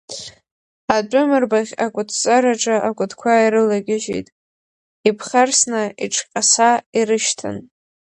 Атәым рбаӷь акәытҵараҿы акәытқәа ирылагьежьит, иԥхарсны иҿҟьаса ирышьҭан.